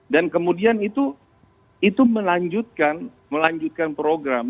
dan kemudian itu itu melanjutkan melanjutkan program